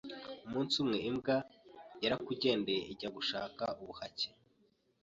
Umunsi umwe imbwa yarakugendeye ijya gushaka ubuhake